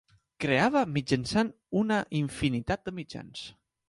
Creava mitjançant una infinitat de mitjans.